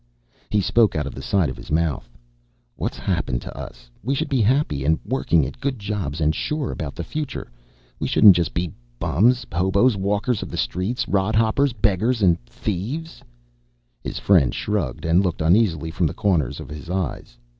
He spoke out of the side of his mouth. "What's happened to us? We should be happy and working at good jobs and sure about the future. We shouldn't be just bums, hobos, walkers of the streets, rod hoppers, beggars, and thieves." His friend shrugged and looked uneasily from the corners of his eyes.